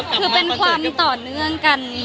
คือเป็นความต่อเนื่องกัน